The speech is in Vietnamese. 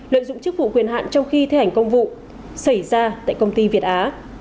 lợi dụng chức vụ quyền hạn trong khi thi hành công vụ xảy ra tại công ty việt á